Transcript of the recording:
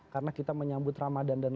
karena kita menyambut ramadan dan